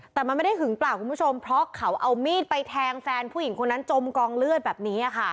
แต่มันไม่ได้หึงเปล่าคุณผู้ชมเพราะเขาเอามีดไปแทงแฟนผู้หญิงคนนั้นจมกองเลือดแบบนี้ค่ะ